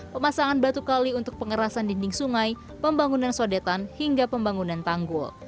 pemasangan batu kali untuk pengerasan dinding sungai pembangunan sodetan hingga pembangunan tanggul